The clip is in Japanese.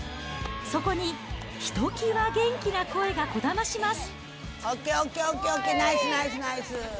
そこにひときわ元気な声がこだまします。